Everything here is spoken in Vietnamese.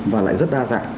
và lại rất đa dạng